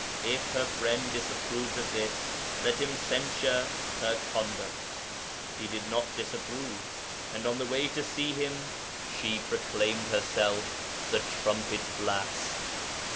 If her friend disapproved of this, let him censure her conduct. He did not disapprove, and on the way to see him, she proclaimed herself the trumpet blast.